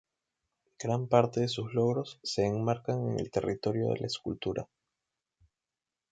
Gran parte de sus logros se enmarcan en el territorio de la escultura.